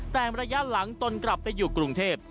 แต่ระยะหลังตนกลับไปอยู่กรุงเทพ